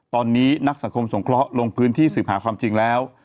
ตอนนี้นักสังคมสงเคราะห์ลงพื้นที่สืบหาความจริงแล้ว